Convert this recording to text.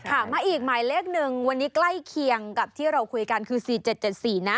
มาอีกหมายเลขหนึ่งวันนี้ใกล้เคียงกับที่เราคุยกันคือ๔๗๗๔นะ